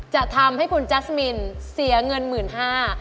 จะทำให้คุณแจ๊สมินเสียเงิน๑๕๐๐๐บาท